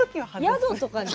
宿とかで。